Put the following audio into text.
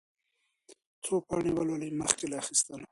څو پاڼې ولولئ مخکې له اخيستلو.